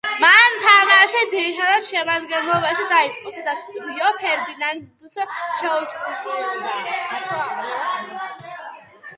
მან თამაში ძირითად შემადგენლობაში დაიწყო, სადაც რიო ფერდინანდს შეუწყვილდა.